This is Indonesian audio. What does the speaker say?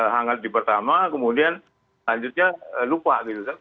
hangat di pertama kemudian lanjutnya lupa gitu kan